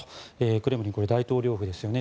クレムリン、大統領府ですよね。